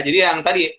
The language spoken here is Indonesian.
jadi yang tadi